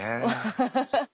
ハハハッ。